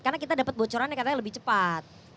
karena kita dapat bocorannya katanya lebih cepat